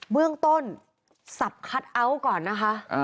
เบื้องต้นศับร์คัตอัลก่อนนะคะ